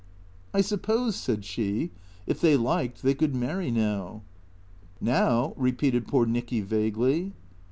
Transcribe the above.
" I suppose," said she, " if they liked, they could marry now." " Now ?" repeated poor Nicky vaguely.